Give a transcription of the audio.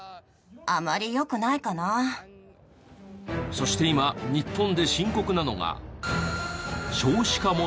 そして今日本で深刻なのが。